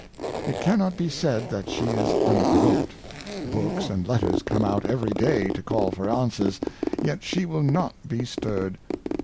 It cannot be said, that she is i urptoyx)ked ; Books and Letters come out every Day, to call for Answers, yet she will not be stirred.